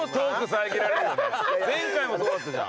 前回もそうだったじゃん。